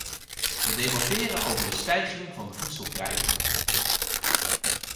We debatteren over de stijging van de voedselprijzen.